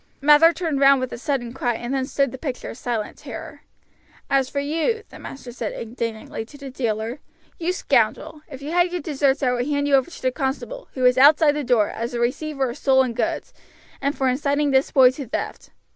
Mather turned round with a sudden cry, and then stood the picture of silent terror. "As for you," the master said indignantly to the dealer, "you scoundrel, if you had your deserts I would hand you over to the constable, who is outside the door, as a receiver of stolen goods, and for inciting this boy to theft.